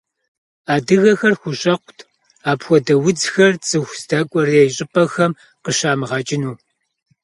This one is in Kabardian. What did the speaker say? Адыгэхэр хущӏэкъут апхуэдэ удзхэр цӏыху здэкӏуэрей щӏыпӏэхэм къыщамыгъэкӏыну.